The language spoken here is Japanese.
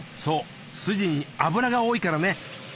そうスジに脂が多いからね。